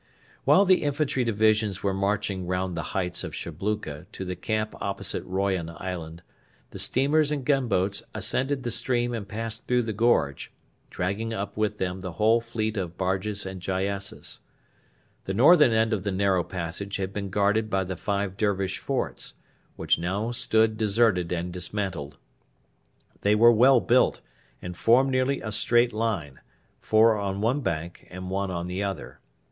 While the infantry divisions were marching round the heights of Shabluka to the camp opposite Royan island, the steamers and gunboats ascended the stream and passed through the gorge, dragging up with them the whole fleet of barges and gyassas. The northern end of the narrow passage had been guarded by the five Dervish forts, which now stood deserted and dismantled. They were well built, and formed nearly a straight line four on one bank and one on the other.